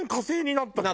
なった。